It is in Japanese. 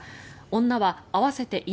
女は合わせて犬